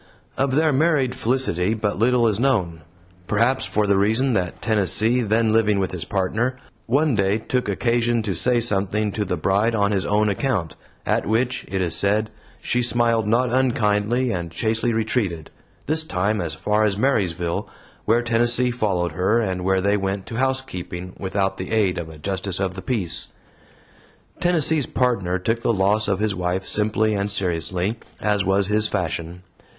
Of their married felicity but little is known, perhaps for the reason that Tennessee, then living with his Partner, one day took occasion to say something to the bride on his own account, at which, it is said, she smiled not unkindly and chastely retreated this time as far as Marysville, where Tennessee followed her, and where they went to housekeeping without the aid of a justice of the peace. Tennessee's Partner took the loss of his wife simply and seriously, as was his fashion.